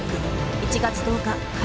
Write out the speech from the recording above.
１月１０日火曜